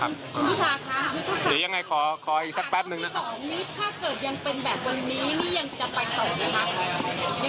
อันนั้นเป็นอุปกรณ์ที่อาจจะไม่ใช่เรื่องจริงอาจจะได้เสี่ยงเพิ่ม